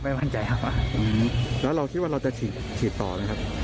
แล้วเราคิดว่าเราจะฉีดต่อไหมครับ